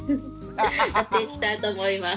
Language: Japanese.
やっていきたいと思います。